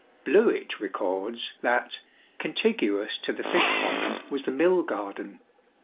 Bluett records that " contiguous to the fish pond was the mill garden."